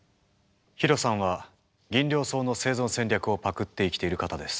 ヒロさんはギンリョウソウの生存戦略をパクって生きている方です。